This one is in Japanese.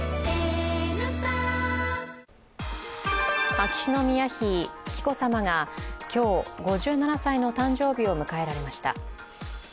秋篠宮妃・紀子さまが今日、５７歳の誕生日を迎えられました。